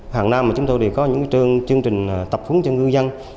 hàng năm chúng tôi đều có những chương trình tập hướng cho ngư dân